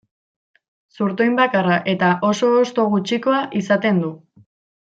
Zurtoin bakarra eta oso hosto gutxikoa izaten du.